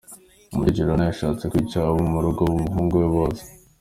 Umukecuru Anna yashatse no kwica abo mu rugo rw'umuhungu we bose.